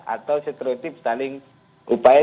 atau seterotip saling upaya